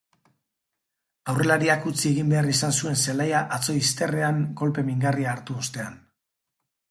Aurrelariak utzi egun behar izan zuen zelaia atzo izterrean kolpe mingarria hartu ostean.